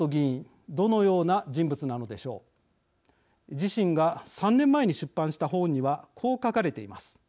自身が３年前に出版した本にはこう書かれています。